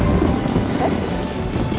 えっ？